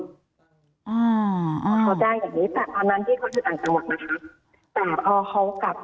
เขาได้แบบนี้แต่ตอนนั้นที่เขาอยู่ต่างจังหวัดนะครับ